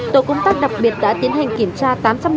tổ công tác đặc biệt đã tiến hành kiểm tra